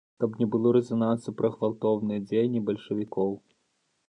Каб не было рэзанансу пра гвалтоўныя дзеянні бальшавікоў.